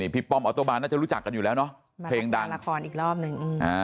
ป้อมออโตบานน่าจะรู้จักกันอยู่แล้วเนาะเพลงดังละครอีกรอบหนึ่ง